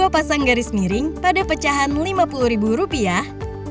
dua pasang garis miring pada pecahan lima puluh ribu rupiah